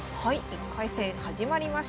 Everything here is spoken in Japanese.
１回戦始まりました。